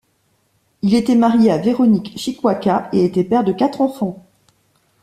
Il était marié à Véronique Chikwaka et était père de quatre enfants.